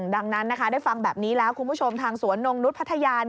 ดังนั้นนะคะได้ฟังแบบนี้แล้วคุณผู้ชมทางสวนนงนุษย์พัทยา